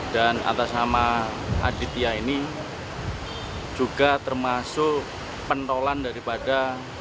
dan atas nama aditya ini juga termasuk pentolan daripada